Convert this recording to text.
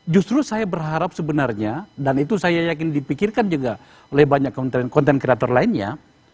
justru saya berharap sebenarnya dan itu saya yakin dipikirkan juga oleh banyak kementerian konten kreator lainnya